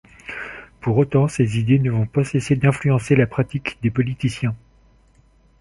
Pour autant ces idées ne vont pas cesser d'influencer la pratique des politiciens.